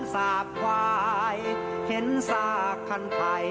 ถงน้านั่นมีแทะฟ้าง